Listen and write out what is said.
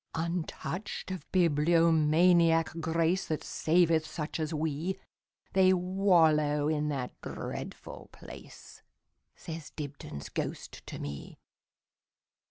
Untouched of bibliomaniac grace, That saveth such as we, They wallow in that dreadful place,"Says Dibdin's ghost to me.